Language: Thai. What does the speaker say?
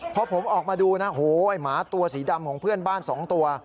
พอผมออกมาดูนะโหไอ้หมาตัวสีดำของเพื่อนบ้าน๒ตัว